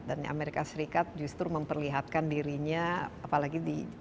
dan amerika serikat justru memperlihatkan dirinya apalagi di negara negara lain